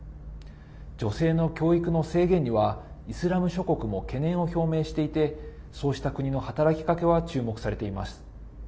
女性の教育の制限にはイスラム諸国も懸念を表明していてそうした国の働きかけは注目されています。